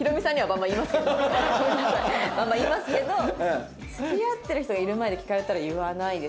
バンバン言いますけど付き合ってる人がいる前で聞かれたら言わないですよね。